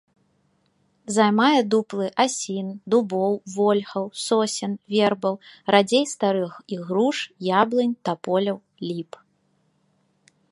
Займае дуплы асін, дубоў, вольхаў, сосен, вербаў, радзей старых ігруш, яблынь, таполяў, ліп.